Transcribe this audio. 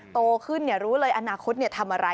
โตขึ้นเนี่ยรู้เลยอนาคตเนี่ยทำอะไร